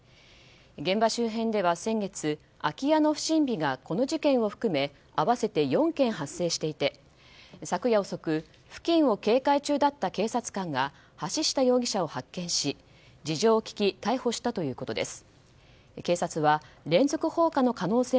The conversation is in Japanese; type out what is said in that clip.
現場周辺では、先月空き家の不審火がこの事件を含め合わせて４件発生していて昨夜遅く付近を警戒中だった警察官が橋下容疑者を発見し事情を聴き逮捕したということです。